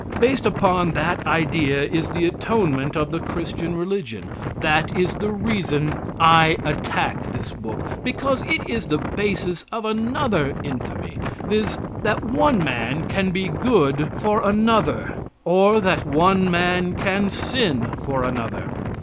Based upon that idea is the atonement of the Christian religion. That is the reason I attack this book because it is the basis of another infamy, viz: that one man can be good for another, or that one man can sin for another.